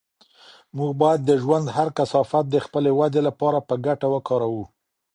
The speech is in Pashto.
موږ باید د ژوند هر کثافت د خپلې ودې لپاره په ګټه وکاروو.